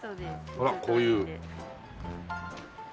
ほらこういう。